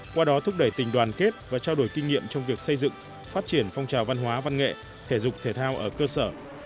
qua đó thúc đẩy tình đoàn kết và trao đổi kinh nghiệm trong việc xây dựng phát triển phong trào văn hóa văn nghệ thể dục thể thao ở cơ sở